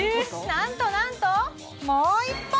なんとなんともう１本！